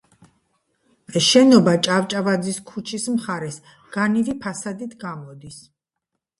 შენობა ჭავჭვაძის ქუჩის მხარეს განივი ფასადით გამოდის.